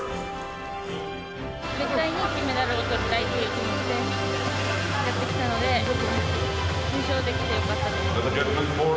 絶対に金メダルをとりたいっていう気持ちでやってきたので、優勝できてよかったです。